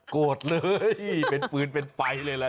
โกรธเลยเป็นฟืนเป็นไฟเลยล่ะ